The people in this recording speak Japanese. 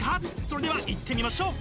それではいってみましょう！